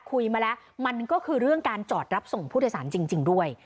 คุยมาแล้วมันก็คือเรื่องการจอดรับส่งผู้โดยสารจริงด้วย